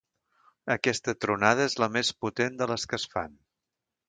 Aquesta tronada és la més potent de les que es fan.